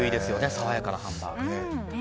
爽やかなハンバーグ。